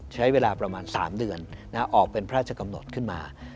ใช้เวลาประมาณ๓เดือนออกเป็นพระราชกำหนดขึ้นมา